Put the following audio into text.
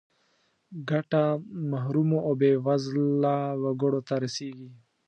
ګټه محرومو او بې وزله وګړو ته رسیږي.